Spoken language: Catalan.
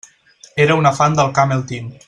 Era una fan del Camel Team.